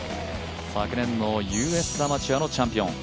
昨年のＵＳアマチュアのチャンピオン。